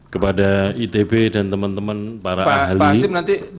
kepada itb dan teman teman para ahli